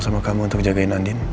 sama kamu untuk jagain angin